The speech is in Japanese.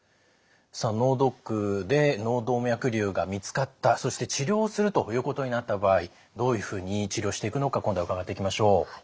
さあ脳ドックで脳動脈瘤が見つかったそして治療するということになった場合どういうふうに治療していくのか今度は伺っていきましょう。